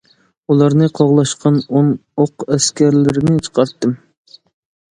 ئۇلارنى قوغلاشقا ئون ئوق ئەسكەرلىرىنى چىقارتتىم.